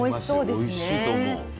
おいしいと思う。